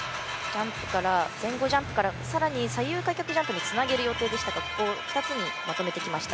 前後ジャンプから左右開脚ジャンプにつなげる予定でしたけどここを２つにまとめてきました。